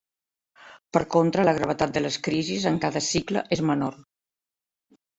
Per contra, la gravetat de les crisis en cada cicle és menor.